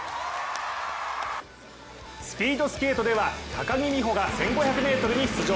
スピードスケートでは高木美帆が１５００ｍに出場。